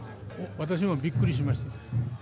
私もびっくりしました。